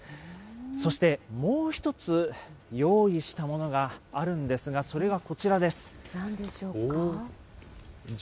そしてもう１つ、用意したものがあるんですが、それがこちらです。